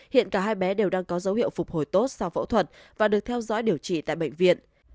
hiện cả hai bé đều đang có dấu hiệu phục hồi tốt sau phẫu thuật và được theo dõi điều trị tại bệnh viện